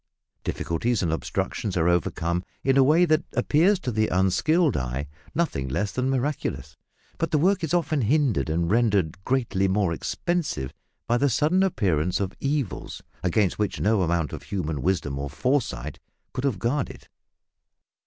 Difficulties and obstructions are overcome in a way that appears to the unskilled eye nothing less than miraculous. But the work is often hindered and rendered greatly more expensive by the sudden appearance of evils against which no amount of human wisdom or foresight could have guarded.